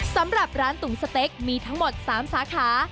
สำหรับร้านตุ๋มสเต็กมีทั้งหมด๓สาขา